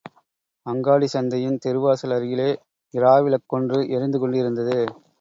அங்காடிச் சந்தையின் தெருவாசல் அருகிலே, இராவிளக் கொன்று எரிந்து கொண்டிருந்தது.